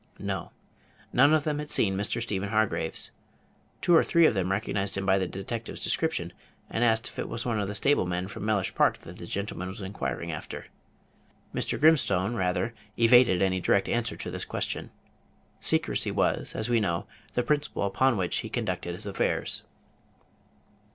No; none of them had seen Mr. Stephen Hargraves. Two or three of them recognized him by the detective's description, and asked if it was one of the stable men from Mellish Park that the gentleman was inquiring after. Mr. Grimstone rather evaded any direct answer to this question. Secrecy was, as we know, the principle upon which he conducted his affairs.